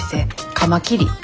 カマキリ。